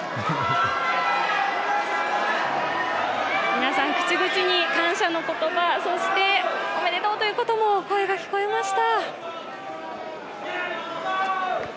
皆さん、口々に感謝の言葉、そして、おめでとうということも、声が聞こえました。